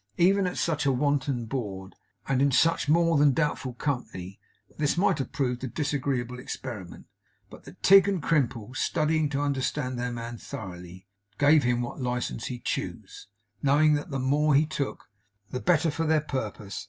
Even at such a wanton board, and in such more than doubtful company, this might have proved a disagreeable experiment, but that Tigg and Crimple, studying to understand their man thoroughly, gave him what license he chose: knowing that the more he took, the better for their purpose.